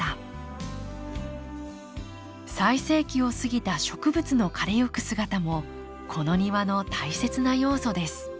最盛期を過ぎた植物の枯れゆく姿もこの庭の大切な要素です